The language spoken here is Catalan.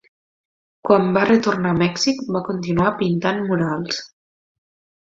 Quan va retornar a Mèxic, va continuar pintant murals.